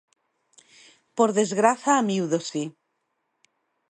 Por desgraza a miúdo si.